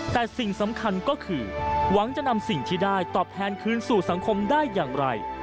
แต่สิ่งสำคัญก็คือหวังจะนำสิ่งที่ได้ตอบแทนคืนสู่สังคมได้อย่างไร